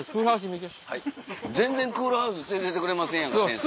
全然クールハウス連れてってくれませんやん先生。